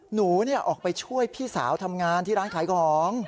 หนูออกไปช่วยพี่สาวทำงานที่ร้านขายของ